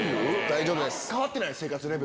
大丈夫です。